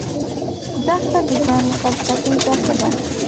دښته د ژوند له فلسفې ډکه ده.